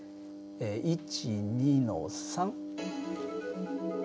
１２の３。